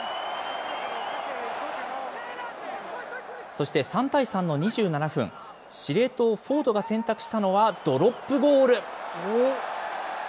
そして、３対３の２７分、司令塔、フォードが選択したのはドロップゴール。